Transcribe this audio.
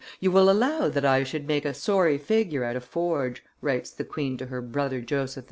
You will allow that I should make a sorry figure at a forge," writes the queen to her brother Joseph II.